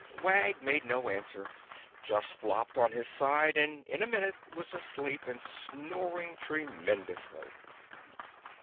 Wag made no answer—just flopped on his side and in a minute was asleep and snoring tremendously.